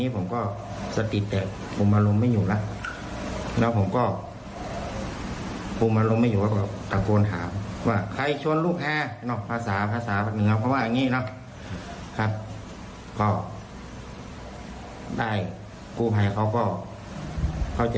กันครับแล้วก็เรื่องก็ตามคลิปครับไม่ได้คุมความครับ